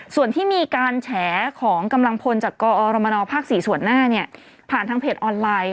ส่วนที่มีการแฉของกำลังพลจากกอรมนภ๔ส่วนหน้าเนี่ยผ่านทางเพจออนไลน์